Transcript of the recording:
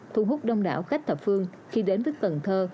thu hút đông đảo khách thập phương khi đến với cần thơ